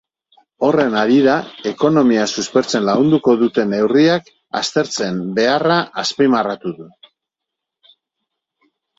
Horren harira, ekonomia suspertzen lagunduko duten neurriak hartzearen beharra azpimarratu du.